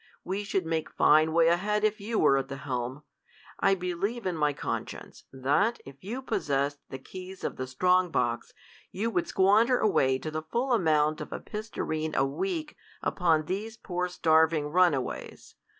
We should make fine way ahead, if you were at helm. I believe in my conscience, that, if you possessed the keys of the strong box, you would squander away to the full amount of a pistareen a week upon these poor starving runaways'.